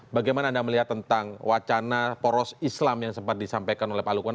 bagaimana anda melihat tentang wacana poros islam yang sempat disampaikan oleh pak lukman